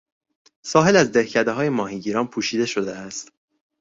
ساحل از دهکدههای ماهیگیران پوشیده شده است.